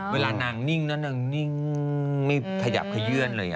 เวลานางนิ่งไม่ทะเยาะเลย